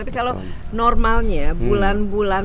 tapi kalau normalnya bulan bulan